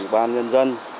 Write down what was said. bà nhân dân